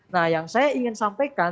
nah yang saya ingin sampaikan